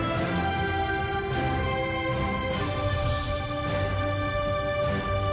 ชูเว็ดตีแสดหน้า